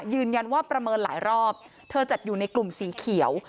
ยืนยันว่าประเมินหลายรอบเธอจัดอยู่ในกลุ่มสีเขียว